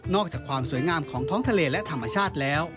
อกจากความสวยงามของท้องทะเลและธรรมชาติแล้ว